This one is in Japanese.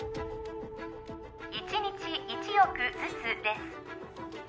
１日１億ずつです